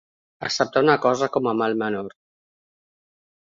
Acceptar una cosa com a mal menor.